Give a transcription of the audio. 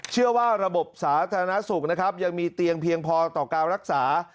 เชื่อว่าระบบสาธารณสุขนะครับยังมีเตียงเพียงพอต่อการรักษา